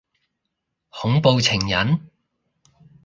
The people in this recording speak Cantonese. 恐怖情人？